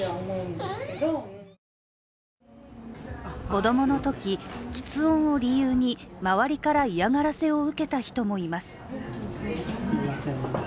子供のとき、きつ音を理由に周りから嫌がらせを受けた人もいます。